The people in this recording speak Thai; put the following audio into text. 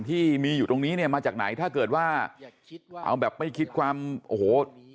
ที่มีอยู่ตรงนี้เนี่ยมาจากไหนถ้าเกิดว่าเอาแบบไม่คิดความโอ้โห